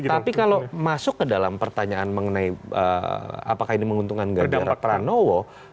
tapi kalau masuk ke dalam pertanyaan mengenai apakah ini menguntungkan ganjar pranowo